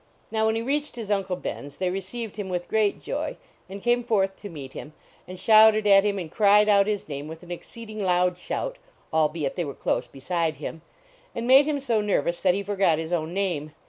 Now, when he reached his Uncle Ben .s they received him with great joy, and canu forth to meet him, and shouted at him and cried out his name with an exceeding loud shout, albeit they were close beside him, and made him so nervous that he forgot his own name.